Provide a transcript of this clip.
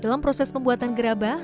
dalam proses pembuatan gerabah